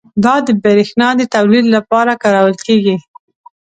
دا د بریښنا د تولید لپاره کارول کېږي.